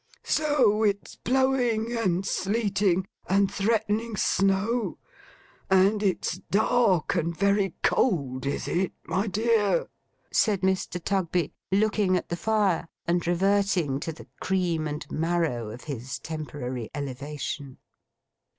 'So it's blowing, and sleeting, and threatening snow; and it's dark, and very cold, is it, my dear?' said Mr. Tugby, looking at the fire, and reverting to the cream and marrow of his temporary elevation.